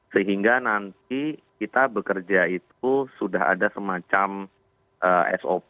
sehingga nanti kita bekerja itu sudah ada semacam sop